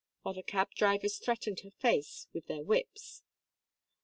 while the cab drivers threatened her face with their whips.